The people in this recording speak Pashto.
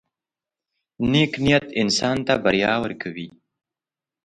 • نیک نیت انسان ته بریا ورکوي.